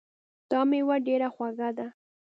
دا میوه ډېره خوږه ده